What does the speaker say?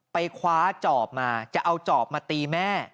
ไปคว้าจอบมาจะเอาจอบมาตีแม่